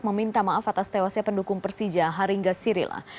meminta maaf atas tewasnya pendukung persija haringga sirila